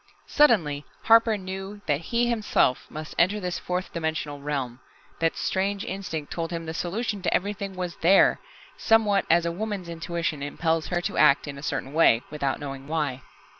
Suddenly Harper knew that he himself must enter this fourth dimensional realm. That strange instinct told him the solution to everything was there somewhat as a woman's intuition impels her to act in a certain way, without knowing why.